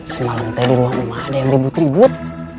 semalam teh di rumah emak ada yang ribut ribut